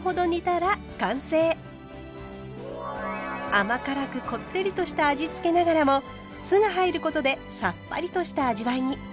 甘辛くこってりとした味付けながらも酢が入ることでさっぱりとした味わいに。